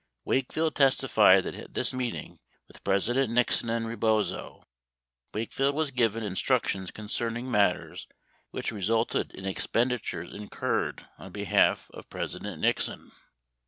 8 Wakefield testified that at this meeting with President Nixon and Rebozo, Wakefield was given instructions concerning matters which resulted in expenditures in curred on behalf of President Nixon.